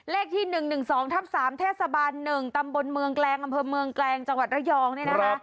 เลขที่๑๑๒๓๑๑ตำบลเมืองแกลงอำเภาเมืองแกลงจังหวัดระยองแล้วนะคะ